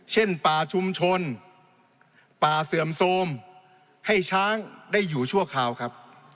ป่าชุมชนป่าเสื่อมโทรมให้ช้างได้อยู่ชั่วคราวครับ